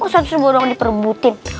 satu seribu doang di perebutin